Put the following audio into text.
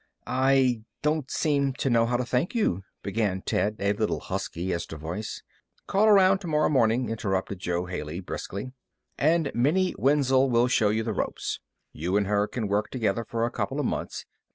"I don't seem to know how to thank you," began Ted, a little husky as to voice. "Call around to morrow morning," interrupted Jo Haley, briskly, "and Minnie Wenzel will show you the ropes. You and her can work together for a couple of months.